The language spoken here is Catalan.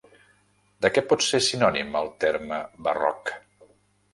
De què pot ser sinònim el terme Barroc?